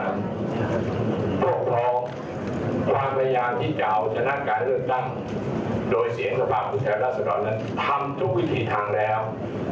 เพราะพร้อมความพยายามที่เจ้าชนะกายเรื่องตั้งโดยเสี่ยงสภาพปุทธรรษฎรนั้นทำทุกวิถีทางแล้ว